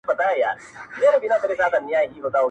نن شپه بيا زه پيغور ته ناسته يمه.